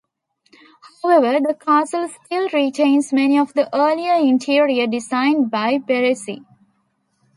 However, the castle still retains many of the earlier interiors designed by Berrecci.